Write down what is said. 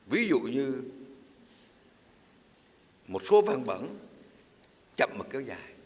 ví dụ như một số văn bản chậm và kéo dài